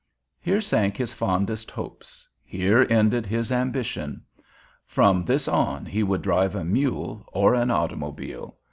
Here sank his fondest hopes, here ended his ambition. From this on he would drive a mule or an automobile.